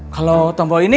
kalau tombol ini